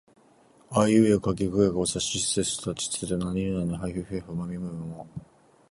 あいうえおかきくけこさしすせそたちつてとなにぬねのはひふへほまみむめも